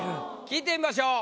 聞いてみましょう。